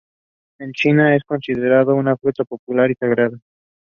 No known attacks or skirmishes were recorded at Fort Fulton.